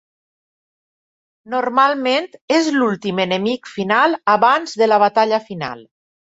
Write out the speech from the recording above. Normalment és l'últim enemic final abans de la batalla final.